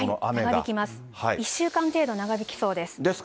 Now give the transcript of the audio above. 長引きます、１週間程度長引きそうです。